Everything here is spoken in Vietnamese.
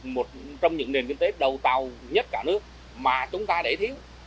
một trong những nền kinh tế đầu tàu nhất cả nước mà chúng ta để thiếu